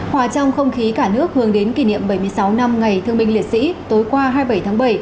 hòa trong không khí cả nước hướng đến kỷ niệm bảy mươi sáu năm ngày thương binh liệt sĩ tối qua hai mươi bảy tháng bảy